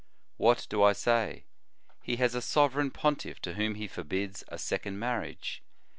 "What do I say? He has a sovereign pontiff to whom he forbids a second marriage.